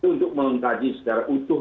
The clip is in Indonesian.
untuk mengkaji secara utuh